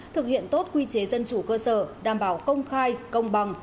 thực hiện tốt quy chế dân chủ cơ sở đảm bảo công khai công bằng